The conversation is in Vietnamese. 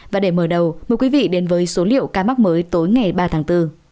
và để mở đầu mời quý vị đến với số liệu ca mắc mới tối ngày ba tháng bốn